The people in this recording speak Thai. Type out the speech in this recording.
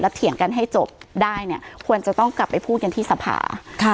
แล้วเถียงกันให้จบได้ควรจะต้องกลับไปพูดอย่างที่สภา